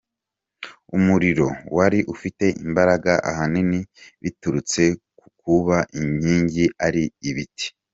Umuriro wari ufite imbaraga ahanini biturutse ku kuba inkingi ari ibiti.